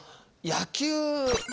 野球？